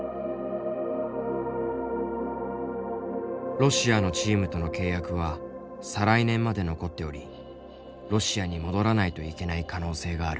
ロシアのチームとの契約は再来年まで残っておりロシアに戻らないといけない可能性がある。